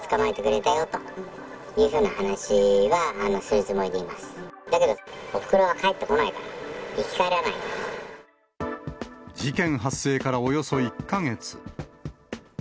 だけど、おふくろは帰ってこないから、事件発生からおよそ１か月。